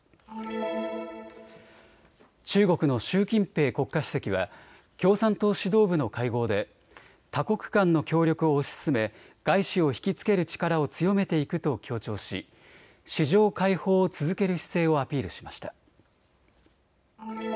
中国の習近平国家主席は共産党指導部の会合で多国間の協力を推し進め外資を引きつける力を強めていくと強調し市場開放を続ける姿勢をアピールしました。